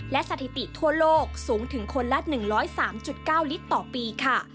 และสถิติทั่วโลกสูงถึงคนละ๑๐๓๙ลิตรต่อปีค่ะ